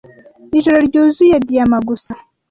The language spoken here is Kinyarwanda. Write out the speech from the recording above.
ijoro ryuzuye diyama gusa